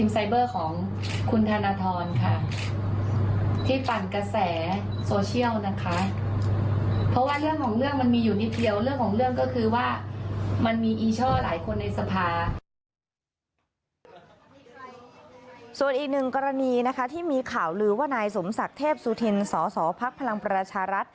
ส่วนอีกหนึ่งกรณีที่มีข่าวลือว่านายสมศักดิ์เทพสุธินสสพพรรร